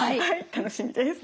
楽しみです。